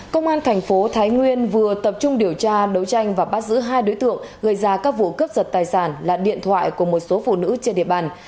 công an thành phố thái nguyên vừa tập trung điều tra đấu tranh và bắt giữ hai đối tượng gây ra các vụ cướp giật tài sản là điện thoại của một số phụ nữ trên địa bàn